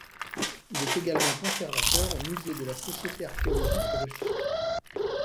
Il est également conservateur au musée de la Société archéologique russe.